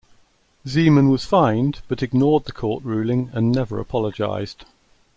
Zeman was fined, but ignored the court ruling and never apologised.